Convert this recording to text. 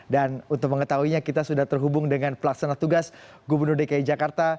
dan untuk mengetahuinya kita sudah terhubung dengan pelaksana tugas gubernur dki jakarta